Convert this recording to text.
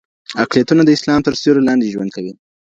اقليتونه د اسلام تر سيوري لاندې ژوند کوي.